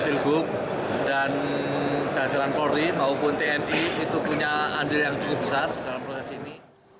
pilgub dan jajaran polri maupun tni itu punya andil yang cukup besar dalam proses ini